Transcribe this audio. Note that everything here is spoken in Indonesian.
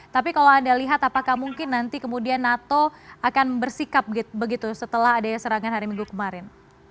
tapi kalau anda lihat apakah mungkin nanti kemudian nato akan bersikap begitu setelah adanya serangan hari minggu kemarin